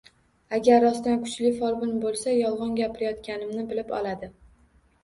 Agar rostdan kuchli folbin bo`lsa yolg`on gapirayotganimni bilib oladi